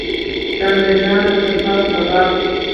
د انګرېزیانو د تلفاتو په باب.